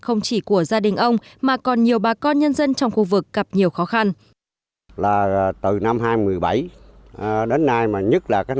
không chỉ của gia đình ông mà còn nhiều bà con nhân dân trong khu vực gặp nhiều khó khăn